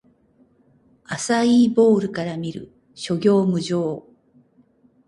アサイーボウルから見る！諸行無常